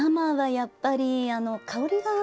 やっぱりね。